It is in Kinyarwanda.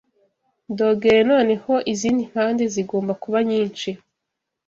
dogere noneho izindi mpande zigomba kuba nyinshi